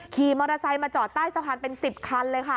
ขี่มอเตอร์ไซค์มาจอดใต้สะพานเป็น๑๐คันเลยค่ะ